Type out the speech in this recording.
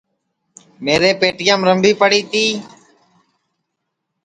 میرے پیٹیام رمبھی پڑی تی